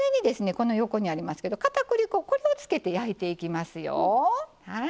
この横にありますけど片栗粉これをつけて焼いていきますよ。